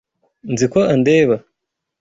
Nzi ko andeba.